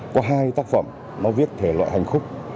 có hai tác phẩm nó viết thể loại hành khúc